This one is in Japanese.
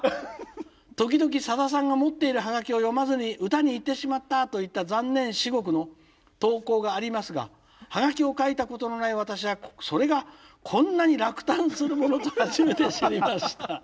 時々さださんが持っているハガキを読まずに歌にいってしまったといった残念至極の投稿がありますがハガキを書いたことのない私はそれがこんなに落胆するものと初めて知りました」。